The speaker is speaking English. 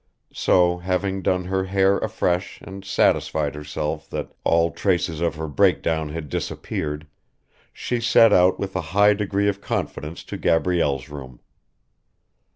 So, having done her hair afresh and satisfied herself that all traces of her breakdown had disappeared, she set out with a high degree of confidence to Gabrielle's room.